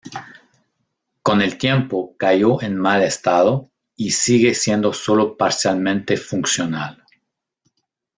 Con el tiempo, cayó en mal estado, y sigue siendo solo parcialmente funcional.